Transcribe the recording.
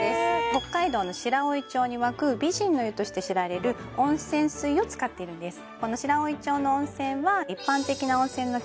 北海道の白老町に湧く美人の湯として知られる温泉水を使っているんです